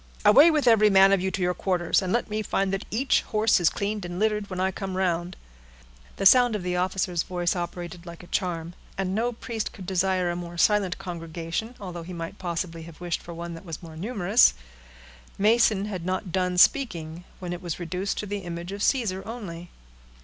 "Away with every man of you to your quarters, and let me find that each horse is cleaned and littered, when I come round." The sound of the officer's voice operated like a charm, and no priest could desire a more silent congregation, although he might possibly have wished for one that was more numerous. Mason had not done speaking, when it was reduced to the image of Caesar only.